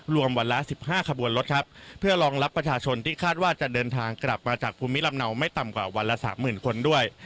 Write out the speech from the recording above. รวมวันละ๑๕ขบวนรถครับเพื่อรองรับประชาชนที่คาดว่าจะเดินทางกลับมาจากภูมิลำเนาไม่ต่ำกว่าวันละสามหมื่นคนด้วย